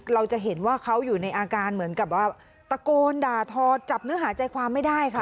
เราจะเห็นว่าเขาอยู่ในอาการเหมือนกับว่าตะโกนด่าทอจับเนื้อหาใจความไม่ได้ค่ะ